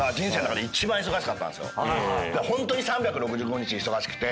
ホントに３６５日忙しくて。